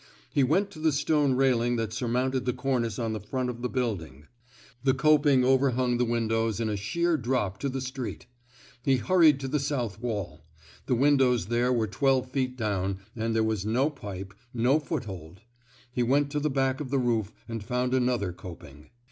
He went to the stone railing that surmounted the cornice on the front of 204 TRAINING '' SALLY '' WATERS the building; the coping overhung the win dows in a sheer drop to the street. He hur ried to the south wall; the windows there were twelve feet down, and there was no pipe, no foothold. He went to the back of the roof and found another coping.